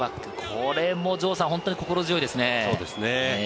これも城さん、本当に心強いですね。